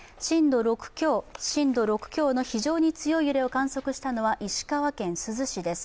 震度６強の非常に強い揺れを観測したのは石川県珠洲市です。